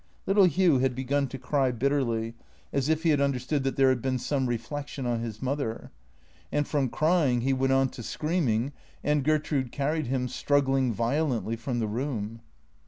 Little Hugh had begun to cry bitterly, as if he had understood that there had been some reflection on his mother. And from crying he went on to screaming, and Gertrude carried him, struggling violently, from the room.